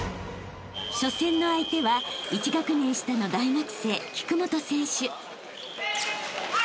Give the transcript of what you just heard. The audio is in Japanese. ［初戦の相手は１学年下の大学生菊元選手］